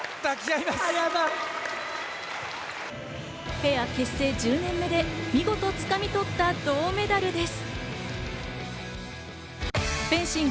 ペア結成１０年目で見事つかみ取った銅メダルです。